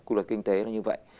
cuộc đời kinh tế nó như vậy